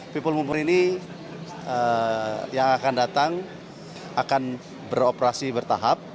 people mooper ini yang akan datang akan beroperasi bertahap